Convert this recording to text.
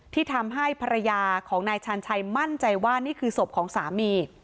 ที่ทำให้ภรรยาของนายชาญชัยมั่นใจว่านี่คือศพของสามี